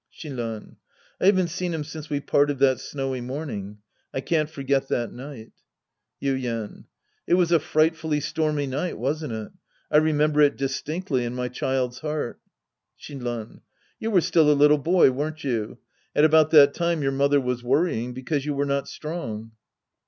Shinran. I haven't seen him since we parted that snowy morning. I can't forget that night. Yuien. It was a frightfully stormy night, wasn't it ? I remember it distinctly in my child's heart. Shinran. You were still a little boy, weren't you ? At about that time your mother was worrying because you were not strong.